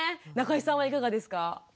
中井さんはいかがですか？